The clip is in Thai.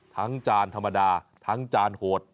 ทั้งจานธรรมดาทั้งจานหวด